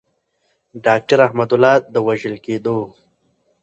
داکتر احمد الله د وژل کیدو.